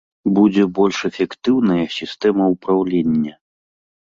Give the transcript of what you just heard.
Будзе больш эфектыўная сістэма ўпраўлення.